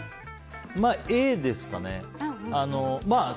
Ａですかね。